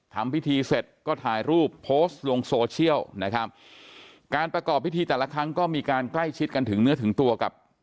ทำพิธีเสร็จก็ถ่ายรูปโพสต์ลงโซเชียลนะครับการประกอบพิธีแต่ละครั้งก็มีการใกล้ชิดกันถึงเนื้อถึงตัวกับ